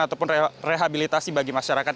ataupun rehabilitasi bagi masyarakat